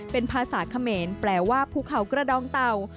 เป็นภาษาเขมรแปลว่าภูเขากระดองเต่า